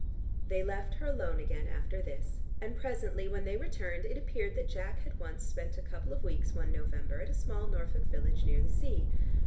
They left her alone again after this, and presently when they returned, it appeared that Jack had once spent a couple of weeks one November at a small Norfolk village near the sea.